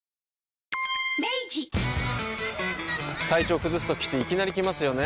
体調崩すときっていきなり来ますよね。